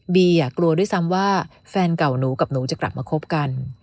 กลัวด้วยซ้ำว่าแฟนเก่าหนูกับหนูจะกลับมาคบกัน